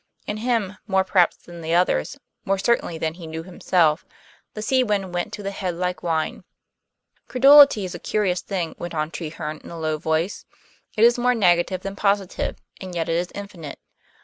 In him, more perhaps than the others more certainly than he knew himself the sea wind went to the head like wine. "Credulity is a curious thing," went on Treherne in a low voice. "It is more negative than positive, and yet it is infinite.